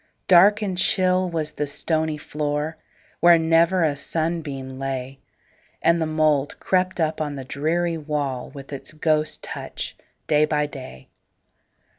Dark and chill was the stony floor, Where never a sunbeam lay, And the mould crept up on the dreary wall, With its ghost touch, day by day.